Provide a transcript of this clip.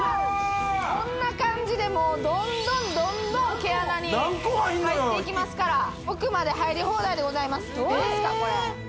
こんな感じでもうどんどんどんどん毛穴に入っていきますから奥まで入り放題でございますどうですかこれ？